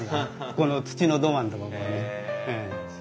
ここの土の土間のとこを。